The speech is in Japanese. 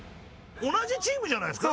同じチームじゃないですか？